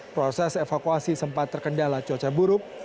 proses evakuasi sempat terkendala cuaca buruk